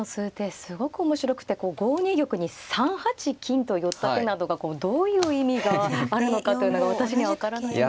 すごく面白くて５二玉に３八金と寄った手などがどういう意味があるのかというのが私には分からないのですが。